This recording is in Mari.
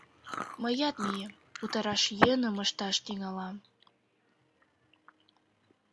Мыят мием, утараш йӧным ышташ тӱҥалам...